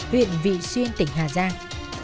huyện vị xuyên tỉnh hà giang